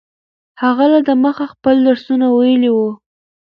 هغه لا دمخه خپل درسونه ویلي وو.